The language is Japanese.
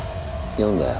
読んだよ。